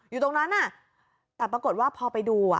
อยู่ตรงนั้นแต่ปรากฏว่าพอไปดูอ่ะ